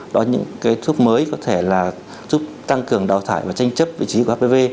đó là những cái thuốc mới có thể là giúp tăng cường đào thải và tranh chấp vị trí của app